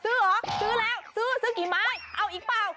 เหรอซื้อแล้วซื้อซื้อกี่ไม้เอาอีกเปล่า